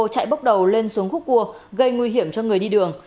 chạy bốc đầu lên xuống khúc cua gây nguy hiểm cho người đi đường